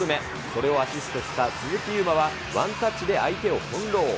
それをアシストした鈴木優磨はワンタッチで相手を翻弄。